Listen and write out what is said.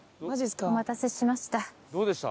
お待たせしました。